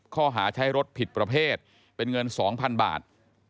ข้อหาใช้รถผิดประเภทเป็นเงิน๒๐๐๐บาท